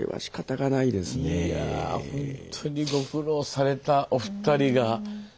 いやほんとにご苦労されたお二人が。